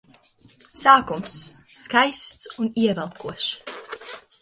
Sākums - skaists un ievelkošs.